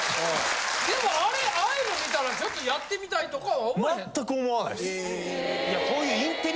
でもあれああいうの見たらちょっとやってみたいとかは思わへん？